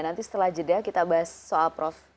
nanti setelah jeda kita bahas soal prof